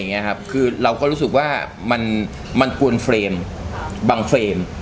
อย่างนี้ครับคือเราก็รู้สึกว่ามันมันกวนเฟรมบางเฟรม